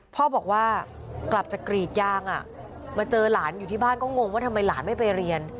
พ่อบอกว่ากลับจากกรีดยางมาเจอหลานอยู่ที่บ้านก็งงว่าทำไมหลานไม่ไปเรียน